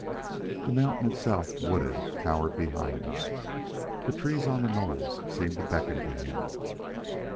The mountain, itself wooded, towered behind. The trees on the knolls seemed to beckon to him.